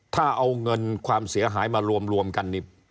ถ้าเอาเงินความเสียหายมารวมกันนี่